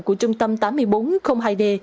của trung tâm tám nghìn bốn trăm linh hai d